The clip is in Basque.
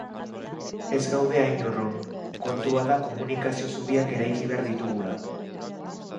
Ez gaude hain urrun, kontua da komunikazio zubiak eraiki behar ditugula.